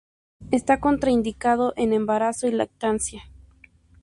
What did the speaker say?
Está contraindicado en embarazo y lactancia.